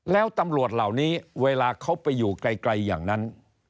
แล้วตำรวจเหล่านี้เวลาเขาไปอยู่ไกลอย่างนั้น